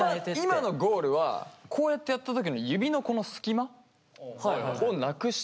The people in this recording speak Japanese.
今のゴールはこうやってやった時の指のこの隙間をなくしたい。